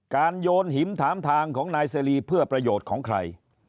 โยนหินถามทางของนายเสรีเพื่อประโยชน์ของใคร